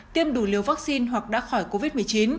tiêm đủ liều vaccine hoặc đã khỏi covid một mươi chín